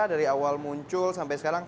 dari awal muncul sampai sekarang